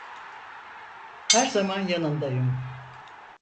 Her zaman yanındayım.